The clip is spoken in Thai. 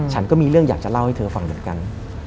ฉันก็มีเรื่องอยากจะเล่าให้เธอฟังเหมือนกัน